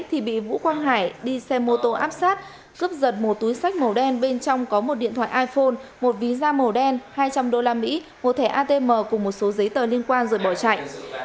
thì bị vũ quang hải đi xe mô tô áp sát cướp giật một túi sách màu đen bên trong có một điện thoại iphone một ví da màu đen hai trăm linh usd một thẻ atm cùng một số giấy tờ liên quan rồi bỏ chạy